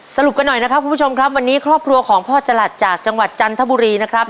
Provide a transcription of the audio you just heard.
สรุปกันหน่อยนะครับคุณผู้ชมครับวันนี้ครอบครัวของพ่อจรัสจากจังหวัดจันทบุรีนะครับ